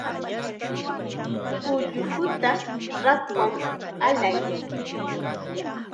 Ullukuta rakwan allay.